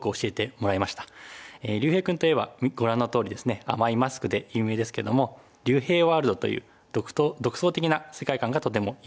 竜平君といえばご覧のとおりですね甘いマスクで有名ですけども竜平ワールドという独創的な世界観がとても有名です。